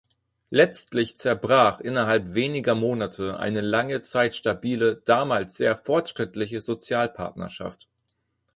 Letztlich zerbrach innerhalb weniger Monate eine lange Zeit stabile, damals sehr fortschrittliche Sozialpartnerschaft.